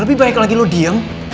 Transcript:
lebih baik lagi lo diem